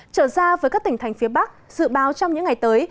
trở ra với các tỉnh thành phía bắc dự báo trong những ngày tới